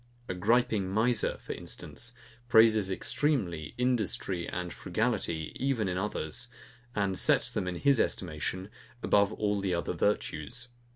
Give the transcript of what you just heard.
A griping miser, for instance, praises extremely INDUSTRY and FRUGALITY even in others, and sets them, in his estimation, above all the other virtues.